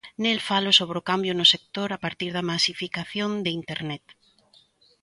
Nel falo sobre o cambio no sector a partir da masificación de Internet.